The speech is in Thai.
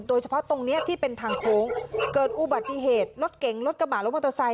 โดยเฉพาะตรงนี้ที่เป็นทางโค้งเกิดอุบัติเหตุรถเก๋งรถกระบะรถมอเตอร์ไซค